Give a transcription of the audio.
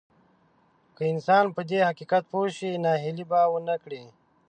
که انسان په دې حقيقت پوه شي ناهيلي به ونه کړي.